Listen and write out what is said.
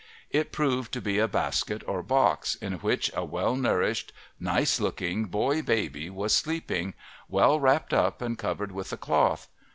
It proved to be a basket or box, in which a well nourished, nice looking boy baby was sleeping, well wrapped up and covered with a cloth.